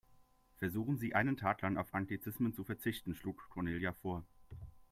Versuchen Sie, einen Tag lang auf Anglizismen zu verzichten, schlug Cornelia vor.